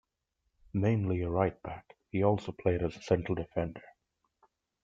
Mainly a right back, he also played as a central defender.